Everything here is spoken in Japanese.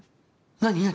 何何？